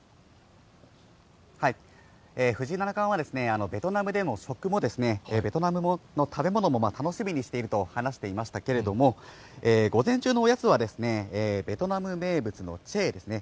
藤井七冠は、ベトナムでの食も、ベトナムの食べ物も楽しみにしていると話していましたけれども、午前中のおやつは、ベトナム名物のチェーですね。